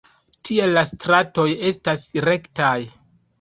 Tial la stratoj estas rektaj.